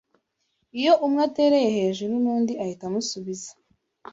iyo umwe atereye hejuru n’undi ahita amusubiza